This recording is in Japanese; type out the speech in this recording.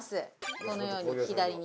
このように左に。